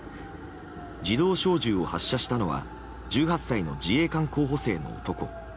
自動小銃を発射したのは１８歳の自衛官候補生の男。